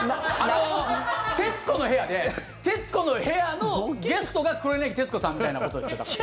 「徹子の部屋」で「徹子の部屋」のゲストが黒柳徹子さんみたいなことですよだから。